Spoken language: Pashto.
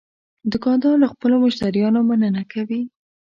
دوکاندار له خپلو مشتریانو مننه کوي.